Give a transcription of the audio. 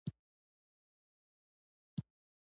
استاد د همکارۍ روح لري.